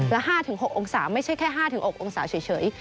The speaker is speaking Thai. ละ๕๖องศาไม่ใช่แค่๕๖องศาเฉย